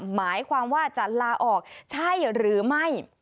หมายความว่าจะลาออกใช่หรือไม่